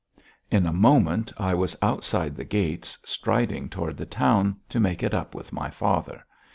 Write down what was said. In a moment I was outside the gates, striding toward the town to make it up with my father.